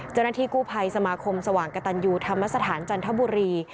เจ้าหน้าที่กู้ภัยสมาคมสว่างกระตันยูธรรมสถานจันทบุรี